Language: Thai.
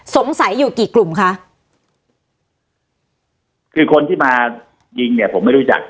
สงสัยอยู่กี่กลุ่มคะคือคนที่มายิงเนี่ยผมไม่รู้จัก